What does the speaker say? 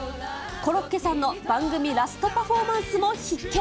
コロッケさんの番組ラストパフォーマンスも必見。